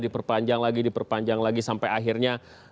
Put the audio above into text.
diperpanjang lagi diperpanjang lagi sampai akhirnya